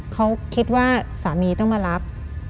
เขาคิดว่าสามีต้องมารับ